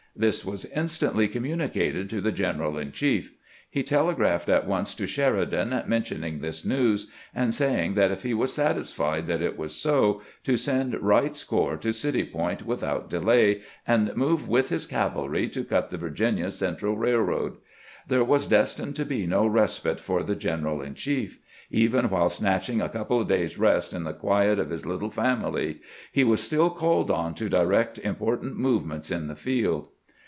This was instantly communicated to the general in chief. He telegraphed at once to Sheridan, mentioning this news, and saying that if he was satisfied that it was so, to send "Wright's corps to City Point without delay, and move with his cavalry to cut the Virginia Central Railroad. There was destined to be no respite for the general in chief. Even while snatching a' couple of days' rest in the quiet of his little family, he was stiQ called on to direct important movements in the field.